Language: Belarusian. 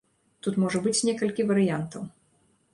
Тут можа быць некалькі варыянтаў.